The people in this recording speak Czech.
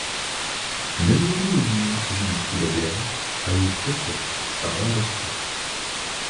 Miliony lidí žijí v chudobě a jejich počet stále roste.